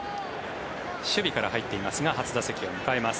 守備から入っていますが初打席を迎えます。